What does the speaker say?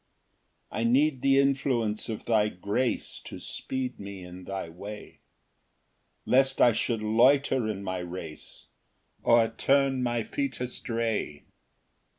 2 I need the influence of thy grace To speed me in thy way, Lest I should loiter in my race, Or turn my feet astray.